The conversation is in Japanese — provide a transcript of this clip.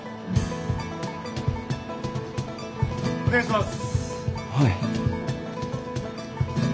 師匠お願いします！